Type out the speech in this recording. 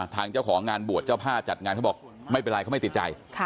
ทางเจ้าของงานบวชเจ้าผ้าจัดงานเขาบอกไม่เป็นไรเขาไม่ติดใจ